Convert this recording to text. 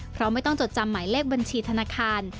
เพราะไม่ต้องจดจำหมายเลขบัญชีธนาคาร